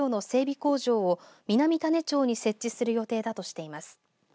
工場を南種子町に設置する予定だとしています。